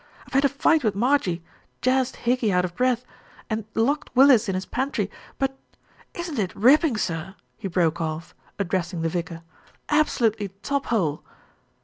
I've had a fight with Marjie, jazzed Higgy out of breath, and locked Willis in his pantry; but isn't it ripping, sir," he broke off, ad dressing the vicar, "absolutely top hole.